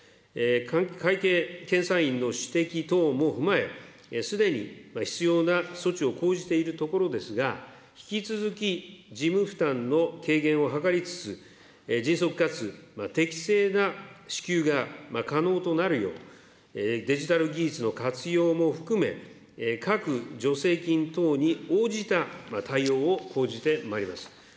会計検査院の指摘等も踏まえ、すでに必要な措置を講じているところですが、引き続き事務負担の軽減を図りつつ、迅速かつ適正な支給が可能となるよう、デジタル技術の活用も含め、各助成金等に応じた対応を講じてまいります。